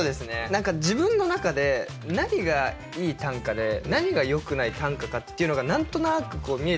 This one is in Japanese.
何か自分の中で何がいい短歌で何がよくない短歌かっていうのが何となく見えてくるようになって。